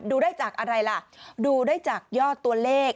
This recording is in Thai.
ดูได้จากอะไรล่ะดูได้จากยอดตัวเลข